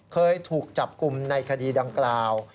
เคยถูกจับกลุ่มในคดีดังกล่าว